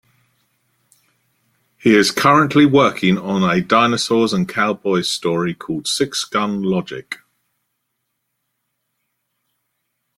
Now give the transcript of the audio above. He is currently working on a dinosaurs and cowboys story called "Sixgun Logic".